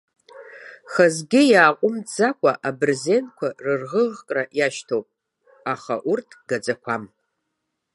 Хазгьы иааҟәымҵӡакәа абырзенқәа рырӷыӷкра иашьҭоуп, аха урҭ гаӡақәам!